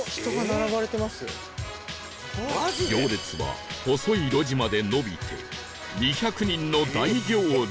行列は細い路地まで延びて２００人の大行列